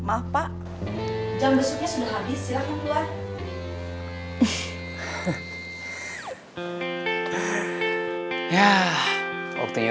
aku senang semangat